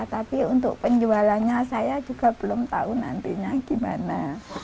tapi untuk penjualannya saya juga belum tahu nantinya gimana